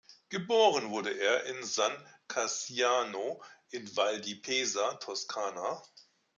Geboren wurde er in San Casciano in Val di Pesa, Toscana.